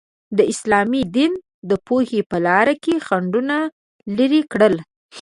د اسلام دین د پوهې په لاره کې خنډونه لرې کړل.